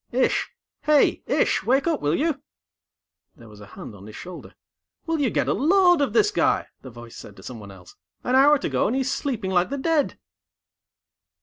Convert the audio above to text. "Ish! Hey, Ish, wake up, will you!" There was a hand on his shoulder. "Will you get a load of this guy!" the voice said to someone else. "An hour to go, and he's sleeping like the dead."